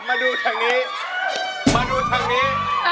ครับมีแฟนเขาเรียกร้อง